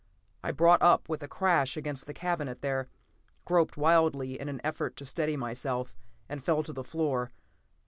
I brought up with a crash against the cabinet there, groped wildly in an effort to steady myself, and fell to the floor.